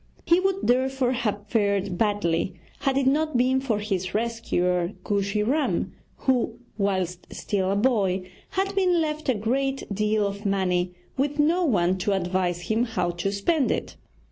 He would therefore have fared badly had it not been for his rescuer, Kooshy Ram, who, whilst still a boy, had been left a great deal of money with no one to advise him how to spend it.